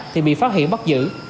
thì bị phát hiện bắt giữ